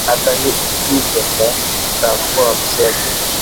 Hata hivyo kwa kutambua msemo